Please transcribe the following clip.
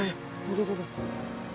tunggu tunggu tunggu